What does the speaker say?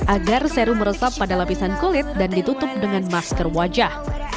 agar seru meresap pada lapisan kulit dan ditutup dengan masker wajah